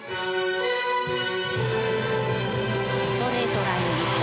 ストレートラインリフト。